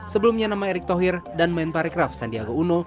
sebelumnya nama erick thohir dan men parikraf sandiaga uno